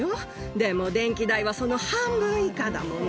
でも電気代はその半分以下だもの。